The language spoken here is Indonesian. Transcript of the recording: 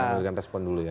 memberikan respon dulu ya